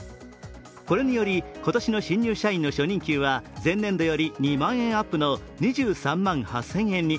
これにより今年の新入社員の初任給は前年度より２万円アップの２３万８０００円に。